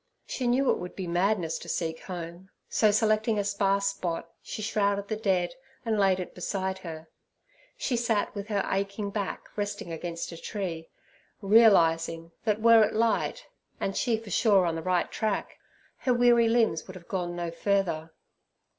She knew it would be madness to seek home, so, selecting a sparse spot, she shrouded the dead and laid it beside her. She sat with her aching back resting against a tree, realizing that were it light, and she for sure on the right track, her weary limbs could have gone no further.